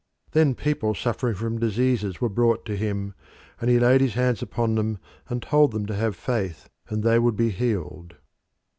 Then people suffering from diseases were brought to him, and he laid his hands upon them and told them to have faith and they would be healed.